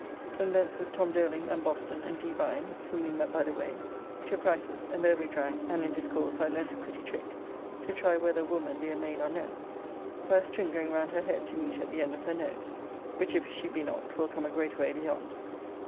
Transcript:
From thence with Tom Doling and Boston and D. Vines (whom we met by the way) to Price's, and there we drank, and in discourse I learnt a pretty trick to try whether a woman be a maid or no, by a string going round her head to meet at the end of her nose, which if she be not will come a great way beyond.